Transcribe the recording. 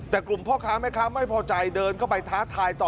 แต่กลุ่มพ่อค้าแม่ค้าไม่พอใจเดินเข้าไปท้าทายต่อ